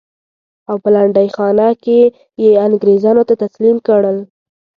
او په لنډۍ خانه کې یې انګرېزانو ته تسلیم کړل.